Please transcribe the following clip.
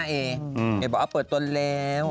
เดี๋ยวบอกว่าเปิดตัวแล้ว